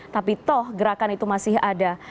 tapi toh gerakan itu masih ada